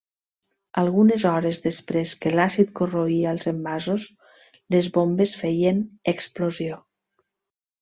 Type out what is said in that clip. Algunes hores després que l'àcid corroïa els envasos les bombes feien explosió.